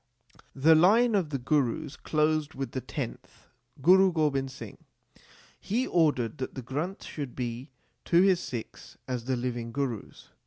The line of the Gurus closed with the tenth, Guru Gobind Singh. He ordered that the Granth should be to his Sikhs as the living Gurus.